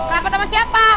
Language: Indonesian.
rapat sama siapa